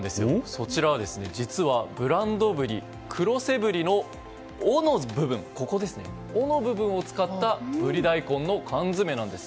そちらは実はブランドブリ黒瀬ぶりの尾の部分を使ったぶり大根の缶詰なんです。